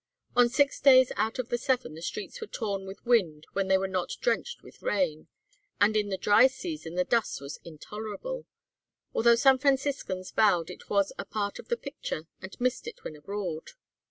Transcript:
On six days out of the seven the streets were torn with wind when they were not drenched with rain, and in the dry season the dust was intolerable; although San Franciscans vowed it was a part of the picture and missed it when abroad.